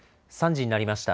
３時になりました。